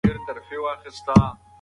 ماشومانو ته د لمریزې روښنايي ګټې ووایئ.